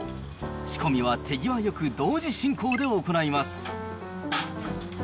仕込みは手際よく、同時進行で行います。